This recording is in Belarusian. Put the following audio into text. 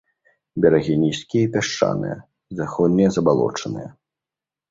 Берагі нізкія і пясчаныя, заходнія забалочаныя.